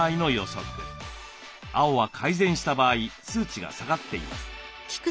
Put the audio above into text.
青は改善した場合数値が下がっています。